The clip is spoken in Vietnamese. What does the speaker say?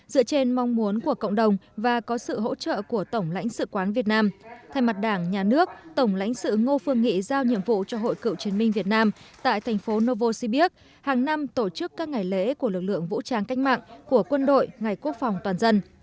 dựa trên mong muốn của cộng đồng và có sự hỗ trợ của tổng lãnh sự quán việt nam thay mặt đảng nhà nước tổng lãnh sự ngô phương nghị giao nhiệm vụ cho hội cựu chiến binh việt nam tại thành phố novosibirsk hàng năm tổ chức các ngày lễ của lực lượng vũ trang cách mạng của quân đội ngày quốc phòng toàn dân